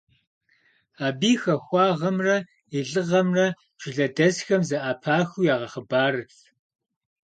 Абы и хахуагъэмрэ и лӀыгъэмрэ жылэдэсхэм зэӀэпахыу ягъэхъыбарырт.